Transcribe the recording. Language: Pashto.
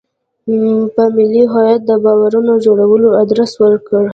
په ملي هویت د باورونو جوړولو ادرس ورکړي.